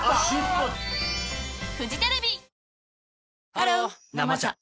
ハロー「生茶」